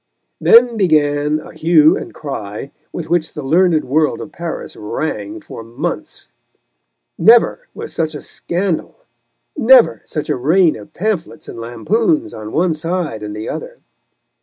Then began a hue and cry with which the learned world of Paris rang for months. Never was such a scandal, never such a rain of pamphlets and lampoons on one side and the other.